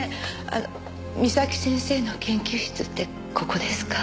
あの岬先生の研究室ってここですか？